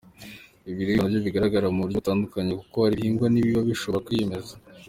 Ibiribwa na byo bigaragara mu buryo butandukanye kuko hari ibihingwa n’ibiba bishobora kwimeza.